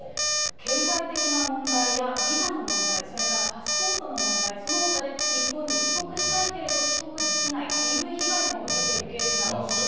経済的な問題やビザの問題、それからパスポートの問題、そのほかで日本に帰国したいけれど帰国できない、ＤＶ被害も受けているケースが多いということです。